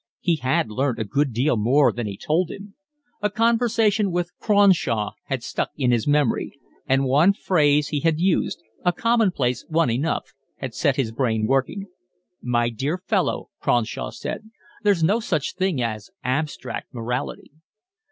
He had learnt a good deal more than he told him. A conversation with Cronshaw had stuck in his memory, and one phrase he had used, a commonplace one enough, had set his brain working. "My dear fellow," Cronshaw said, "there's no such thing as abstract morality."